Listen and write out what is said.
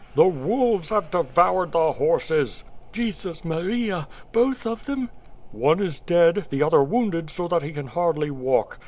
"The wolves have devoured the horses." "Jesus Maria! Both of them?" "One is dead; the other wounded so that he can hardly walk.